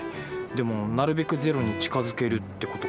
でもなるべくゼロに近づけるって事か。